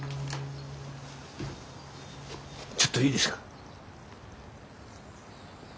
ちょっといいですか？